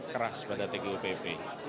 keras pada tgupp